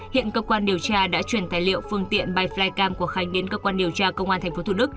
hiện cơ quan điều tra đã chuyển thái liệu phương tiện bài flycam của khánh đến cơ quan điều tra công an tp thd